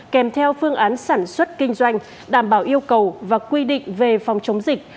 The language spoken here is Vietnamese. kèm theo phương án sản xuất kinh doanh đảm bảo yêu cầu và quy định về phòng chống dịch